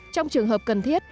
trong trường hợp cần thiết